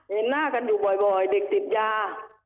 เห็นหน้ากันอยู่บ่อยเด็กติดยา